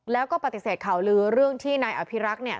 แล้วก็ปฏิเสธข่าวลือเรื่องที่นายอภิรักษ์เนี่ย